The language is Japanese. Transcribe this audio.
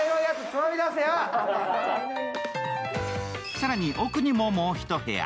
更に、奥にももう１部屋。